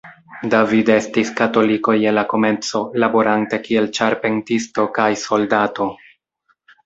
David estis katoliko je la komenco, laborante kiel ĉarpentisto kaj soldato.